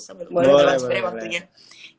boleh boleh boleh